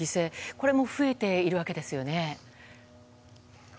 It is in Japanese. これも増えているわけですよね。